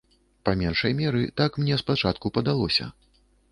Па меншай меры, так мне спачатку падалося.